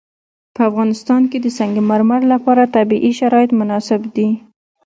په افغانستان کې د سنگ مرمر لپاره طبیعي شرایط مناسب دي.